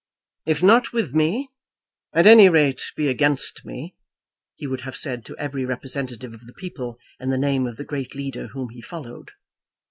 "If not with me, at any rate be against me," he would have said to every representative of the people in the name of the great leader whom he followed.